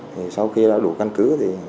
thì sau khi đã đủ căn cứ